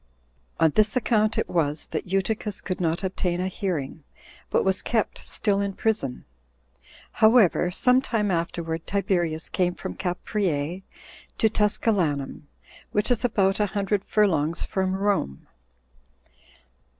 On this account it was that Eutychus could not obtain a bearing, but was kept still in prison. However, some time afterward, Tiberius came from Capreae to Tusculanum, which is about a hundred furlongs from Rome.